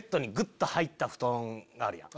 と入った布団あるやん。